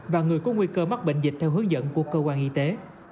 và người có nguy cơ mắc bệnh dịch theo hướng dẫn của cơ quan y tế